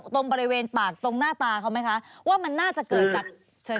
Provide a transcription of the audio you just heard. ตรงบริเวณปากตรงหน้าตาเขาไหมคะว่ามันน่าจะเกิดจากเชิญ